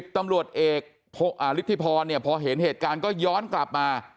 ตำรวจเอกฤทธิพรพอเห็นเหตุการณ์ก็ย้อนกลับมา